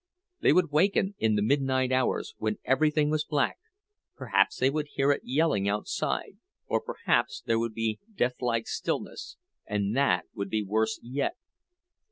They would waken in the midnight hours, when everything was black; perhaps they would hear it yelling outside, or perhaps there would be deathlike stillness—and that would be worse yet.